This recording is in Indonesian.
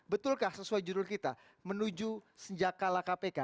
betulkah sesuai judul kita menuju senjakala kpk